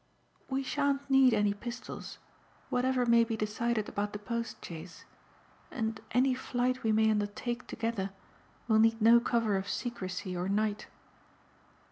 "We shan't need any pistols, whatever may be decided about the post chaise; and any flight we may undertake together will need no cover of secrecy or night.